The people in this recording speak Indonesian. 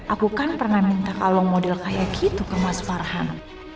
aku kan pernah minta kalau model kayak gitu ke mas farhan